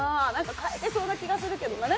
変えてそうな気がするけどな。